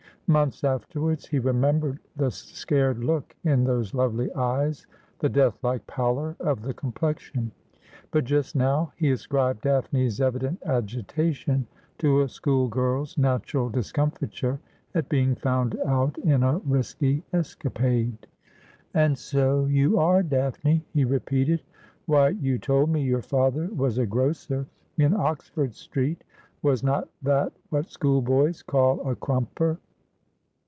Months afterwards he remembered the scared look in those lovely eyes, the death like pallor of the complexion ; but just now he ascribed Daphne's evident agitation to a school girl's natural discomfiture at being found out in a risky es capade. ' A.nd so you are Daphne ?' he repeated. ' Whj', you told me your father was a grocer in Oxford Street. Was not that what school boys call a crumper